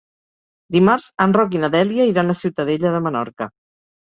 Dimarts en Roc i na Dèlia iran a Ciutadella de Menorca.